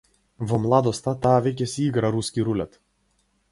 Во младоста, таа веќе си игра руски рулет.